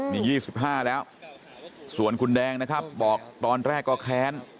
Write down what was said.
นี่๒๕แล้วส่วนคุณแดงนะครับบอกตอนแรกก็แค้น